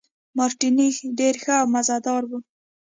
مارټیني ډېر ښه او مزه دار وو.